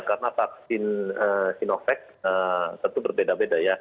karena vaksin sinovac tentu berbeda beda ya